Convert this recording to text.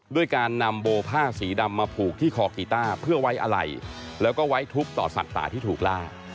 ด้วยการนำโบผ้าสีดำมาผูกที่คอกีต้าเพื่อไว้อะไรแล้วก็ไว้ทุกข์ต่อสัตว์ป่าที่ถูกล่า